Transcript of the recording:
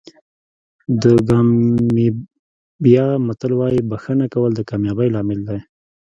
د ګامبیا متل وایي بښنه کول د کامیابۍ لامل دی.